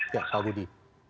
ya pak budi